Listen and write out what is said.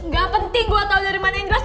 gak penting gue tau dari mana inggris